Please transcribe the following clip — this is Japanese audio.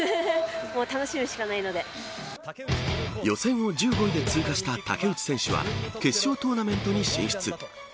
予選を１５位で通過した竹内選手は決勝トーナメントに進出。